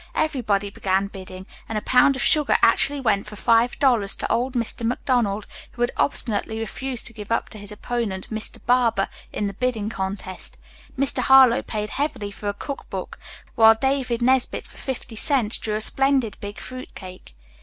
Everybody began bidding, and a pound of sugar actually went for five dollars, to old Mr. McDonald, who had obstinately refused to give up to his opponent, Mr. Barber, in the bidding contest. Mr. Harlowe paid heavily for a cook book, while David Nesbit, for fifty cents, drew a splendid big fruit cake.